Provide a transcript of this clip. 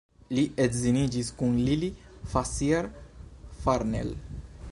Li edziniĝis kun Lili Fassier-Farnell.